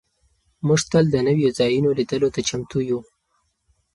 موږ تل د نویو ځایونو لیدلو ته چمتو یو.